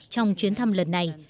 trong chuyến thăm lần này